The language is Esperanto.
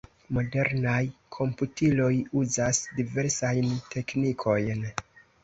Modernaj komputiloj uzas diversajn teknikojn.